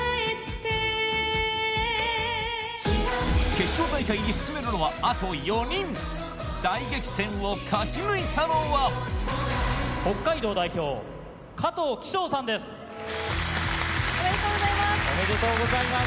決勝大会に進めるのはあと４人大激戦を勝ち抜いたのはおめでとうございます。